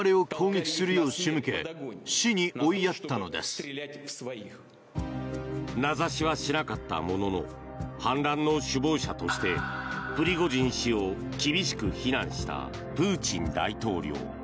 サントリー天然水「ＴＨＥＳＴＲＯＮＧ」激泡名指しはしなかったものの反乱の首謀者としてプリゴジン氏を厳しく非難したプーチン大統領。